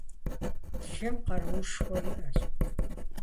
Лъым къаруушхуэ иӀэщ.